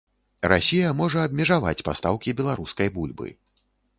Расія можа абмежаваць пастаўкі беларускай бульбы.